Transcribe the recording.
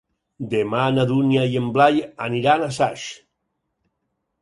Demà na Dúnia i en Blai aniran a Saix.